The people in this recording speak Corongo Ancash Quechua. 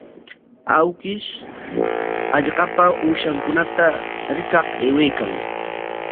Awkish hallqapa uushankunata rikaq aywaykan.